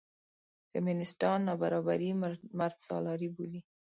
فیمینېستان نابرابري مردسالاري بولي.